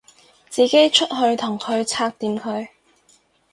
自己出去同佢拆掂佢